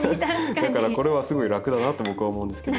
だからこれはすごい楽だなと僕は思うんですけど。